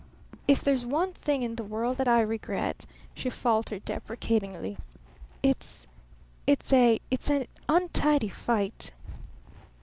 "If there's one thing in the world that I regret," she faltered deprecatingly, "it's a it's an untidy fight."